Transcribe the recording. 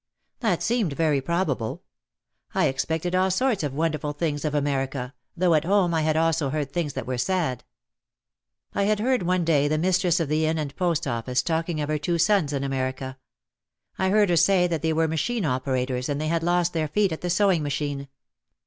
That seemed very probable. I expected all sorts of wonderful things of America, though at home I had also heard things that were sad. I had heard one day the mistress of the Inn and Post Office talking of her two sons in America. I heard her say that they were machine operators and they had lost their feet at the sewing machine.